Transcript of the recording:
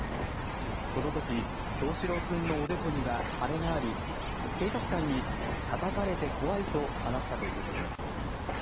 このとき叶志郎君のおでこには腫れがあり、警察官にたたかれて怖いと話したということです。